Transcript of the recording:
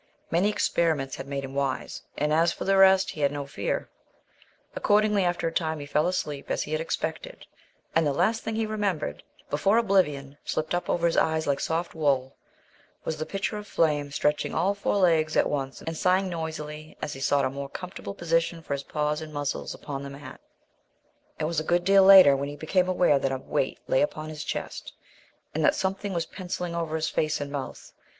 Many experiments had made him wise. And, for the rest, he had no fear. Accordingly, after a time, he did fall asleep as he had expected, and the last thing he remembered, before oblivion slipped up over his eyes like soft wool, was the picture of Flame stretching all four legs at once, and sighing noisily as he sought a more comfortable position for his paws and muzzle upon the mat. It was a good deal later when he became aware that a weight lay upon his chest, and that something was pencilling over his face and mouth.